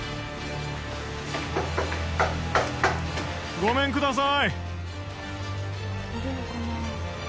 ごめんください